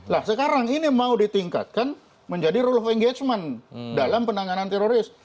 nah sekarang ini mau ditingkatkan menjadi rule of engagement dalam penanganan teroris